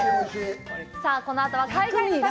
このあとは、海外の旅。